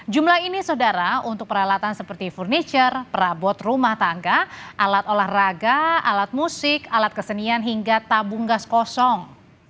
jumlah ini saudara untuk peralatan seperti furniture perabot rumah tangga alat olahraga alat musik alat kesenian hingga tabung gas kosong